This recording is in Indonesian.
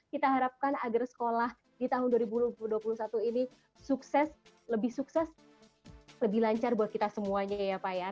kita harapkan agar sekolah di tahun dua ribu dua puluh satu ini sukses lebih sukses lebih lancar buat kita semuanya ya pak ya